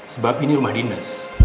sebab ini rumah dinas